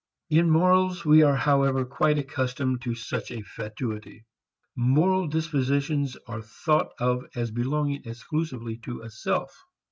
In morals we are however quite accustomed to such a fatuity. Moral dispositions are thought of as belonging exclusively to a self.